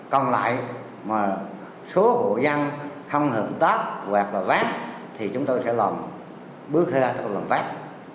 còn lại mà số hộ dân không hợp tác hoặc là vác thì chúng tôi sẽ làm bước kia là làm vác